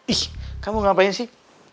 ih kamu ngapain sih